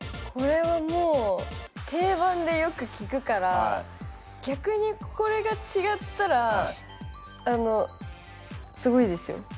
これはもう定番でよく聞くから逆にこれが違ったらあのすごいですよ。